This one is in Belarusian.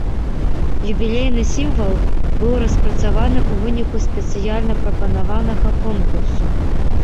Юбілейны сімвал быў распрацаваны ў выніку спецыяльна прапанаванага конкурсу.